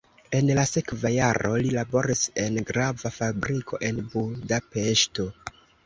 En la sekva jaro li laboris en grava fabriko en Budapeŝto.